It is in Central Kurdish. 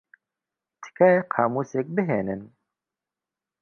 تکایە قامووسێک بھێنن.